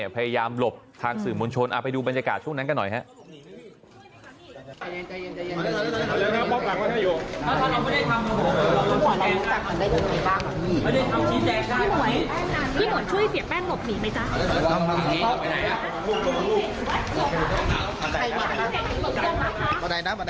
พยายามหลบทางสื่อมวลชนไปดูบรรยากาศช่วงนั้นกันหน่อยครับ